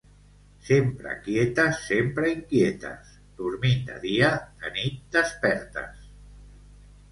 Sempre quietes, sempre inquietes. Dormint de dia, de nit despertes.